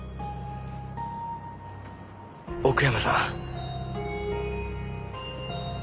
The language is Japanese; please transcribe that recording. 奥山さん？